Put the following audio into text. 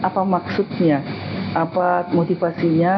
apa maksudnya apa motivasinya